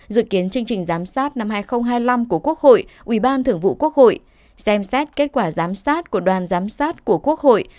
dự kiến chương trình giám sát năm hai nghìn hai mươi năm của quốc hội ủy ban thưởng vụ quốc hội xem xét kết quả giám sát của đoàn giám sát của quốc hội